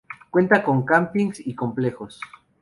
Cuenta con campings y complejos.